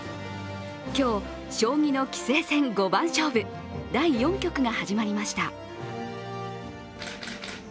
今日、将棋の棋聖戦五番勝負第４局が始まりました。